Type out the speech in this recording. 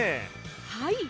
はい。